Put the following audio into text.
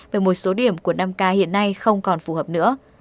về một số điểm của năm k hiện nay không còn phù hợp nữa